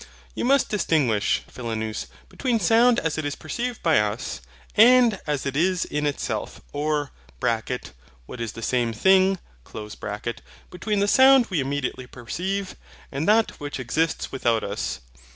You must distinguish, Philonous, between sound as it is perceived by us, and as it is in itself; or (which is the same thing) between the sound we immediately perceive, and that which exists without us.